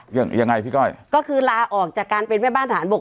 ยังไงพี่ก้อยก็คือลาออกจากการเป็นแม่บ้านฐานบก